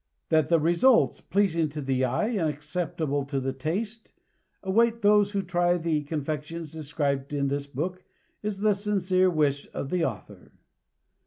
That results pleasing to the eye and acceptable to the taste await those who try the confections described in this book is the sincere wish of the author.